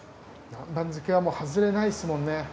南蛮漬けはハズレないですもんね。